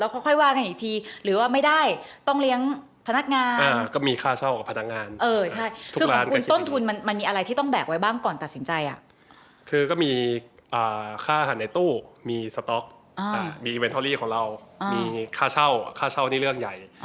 คือก็มีค่าหันในตู้มีสต๊อกมีอิเวนทอรี่ของเรามีค่าเช่าค่าเช่านี่เรื่องใหญ่